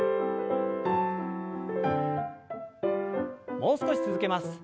もう少し続けます。